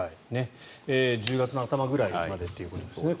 １０月頭ぐらいまでということですね